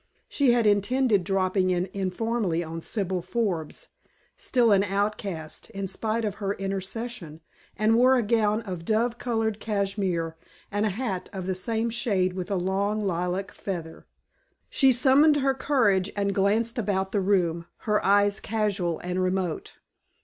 She had intended dropping in informally on Sibyl Forbes, still an outcast, in spite of her intercession, and wore a gown of dove colored cashmere and a hat of the same shade with a long lilac feather. She summoned her courage and glanced about the room, her eyes casual and remote.